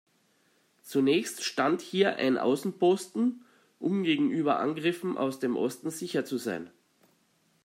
Zunächst stand hier ein Außenposten, um gegenüber Angriffen aus dem Osten sicher zu sein.